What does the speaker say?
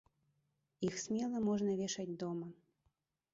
Іх смела можна вешаць дома.